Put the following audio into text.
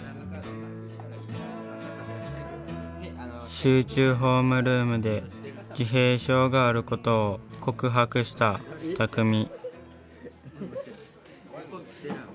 集中ホームルームで自閉症があることを告白したたくみ。